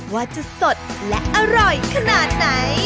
ว่าจะสดและอร่อยขนาดไหน